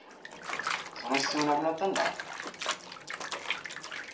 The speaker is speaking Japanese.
その必要なくなったんだ。